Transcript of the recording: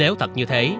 chú thật như thế